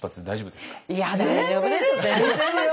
大丈夫ですよ。